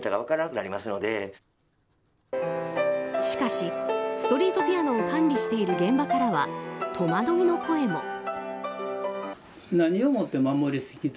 しかし、ストリートピアノを管理している現場からは戸惑いの声も。